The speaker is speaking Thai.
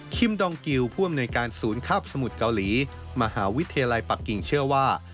คิมดองกิวภวมในการสูญคาบสมุทรเกาหลีมหาวิทยาลัยปักกิงเชื่อว่า